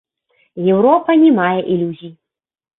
Еўропа не мае ілюзій.